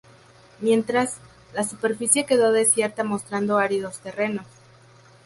Mientras, la superficie quedó desierta mostrando áridos terrenos.